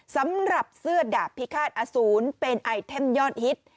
สำหรับเสื้อดาบพิฆาตอสูรเป็นไอเทมยอดฮิต